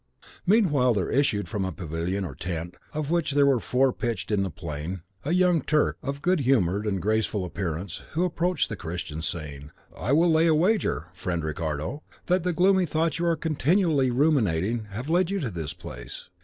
Meanwhile there issued from a pavilion or tent, of which there were four pitched in the plain, a young Turk, of good humoured and graceful appearance, who approached the Christian, saying, "I will lay a wager, friend Ricardo, that the gloomy thoughts you are continually ruminating have led you to this place."